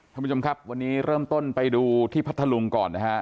ท่านผู้ชมครับวันนี้เริ่มต้นไปดูที่พัทธลุงก่อนนะฮะ